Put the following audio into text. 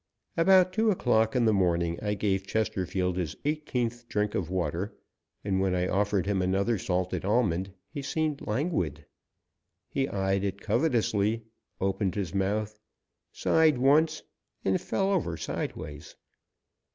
About two o'clock in the morning I gave Chesterfield his eighteenth drink of water, and when I offered him another salted almond he seemed languid. He eyed it covetously, opened his mouth, sighed once, and fell over sideways.